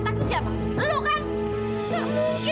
gak ini cewekannya